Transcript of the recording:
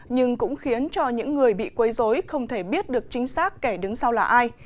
nhưng cũng khiến cho những người bị quấy dối không thể biết được chính xác kẻ đứng sau là ai